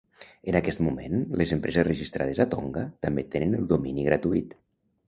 En aquest moment, les empreses registrades a Tonga també tenen el domini gratuït.